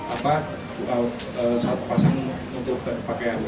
apa salah satu pasang untuk pakaian ini